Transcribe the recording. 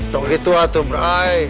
tunggu itu hatu brai